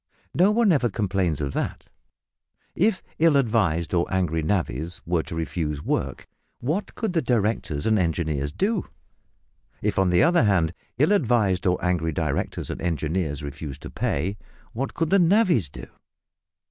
No one ever complains of that. If ill advised or angry navvies were to refuse to work, what could directors and engineers do? If, on the other hand, ill advised or angry directors and engineers refused to pay, what could navvies do?